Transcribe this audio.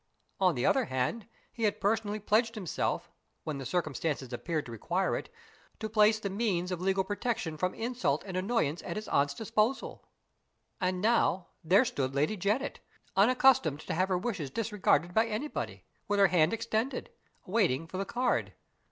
On the other hand, he had personally pledged himself (when the circumstances appeared to require it) to place the means of legal protection from insult and annoyance at his aunt's disposal. And now, there stood Lady Janet, unaccustomed to have her wishes disregarded by anybody, with her band extended, waiting for the card!